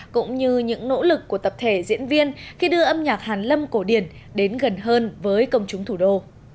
cũng như những nỗ lực của tập thể diễn viên khi đưa âm nhạc hàn lâm cổ điển đến gần hơn với công chúng thủ đô